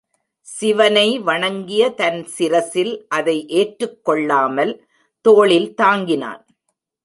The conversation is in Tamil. சிவனை வணங்கிய தன் சிரசில் அதை ஏற்றுக் கொள்ளாமல் தோளில் தாங்கினான்.